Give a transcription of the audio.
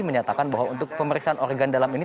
menyatakan bahwa untuk pemeriksaan organ dalam ini